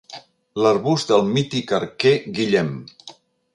L'arbust del mític arquer Guillem.